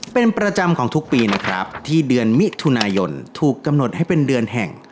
เป็นประจำของทุกปีนะครับที่เดือนมิถุนายนถูกกำหนดให้เป็นเดือนแห่ง